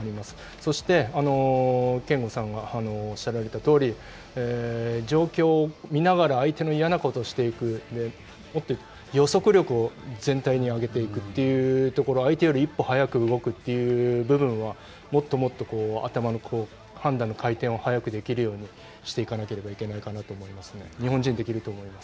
そして、憲剛さんがおっしゃられたとおり、状況を見ながら相手の嫌なことをしていく、もっと予測力を全体に上げていくというところ、相手より一歩早く動くという部分はもっともっと頭の判断の回転を早くできるようにしていかなければいけないかなと思いますね。